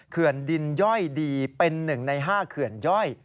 เขื่อนดินย่อยดีเป็น๑ใน๕เขื่อนย่อย